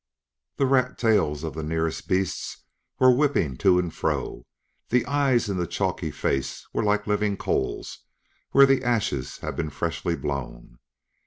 The rat tails of the nearest beasts were whipping to and fro; the eyes in the chalky faces were like living coals where the ashes have been freshly blown.